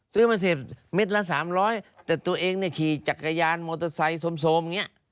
ซื้อมาเสพเม็ดละ๓๐๐แต่ตัวเองเนี่ยขี่จักรยานมอเตอร์ไซค์โทรมอย่างนี้